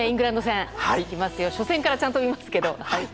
初戦からちゃんと見ます！